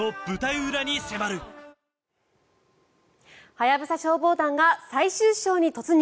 「ハヤブサ消防団」が最終章に突入！